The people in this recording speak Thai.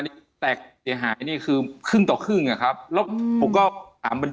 มาแตกแตกหายนี่คือครึ่งต่อครึ่งนะครับแล้วของเป็น